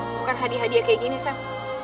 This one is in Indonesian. bukan hadiah hadiah kayak gini sam